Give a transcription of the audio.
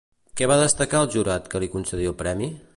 Què va destacar el jurat que li concedí el premi?